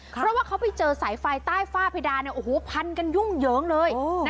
เพราะว่าเขาไปเจอสายไฟใต้ฝ้าเพดานพันกันยุ่งเหยิงเลย